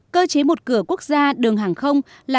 cơ chế một cửa quốc gia đường hàng không